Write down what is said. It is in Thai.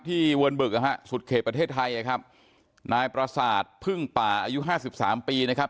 ที่เวิร์นบึกสุดเขตประเทศไทยนะครับนายประสาทพึ่งป่าอายุ๕๓ปีนะครับ